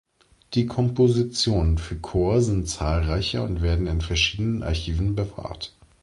Die Kompositionen für Chor sind zahlreicher und werden in verschiedenen Archiven bewahrt.